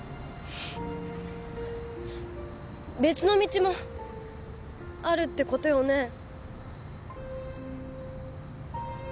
別の道もあるってことよね？